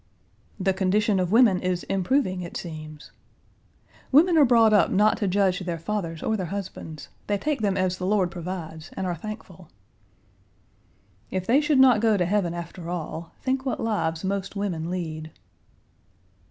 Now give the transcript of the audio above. "The condition of women is improving, it seems." "Women are brought up not to judge their fathers or their husbands. They take them as the Lord provides and are thankful." "If they should not go to heaven after all; think what lives most women lead."